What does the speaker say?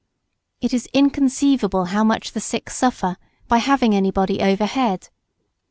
It is inconceivable how much the sick suffer by having anybody overhead.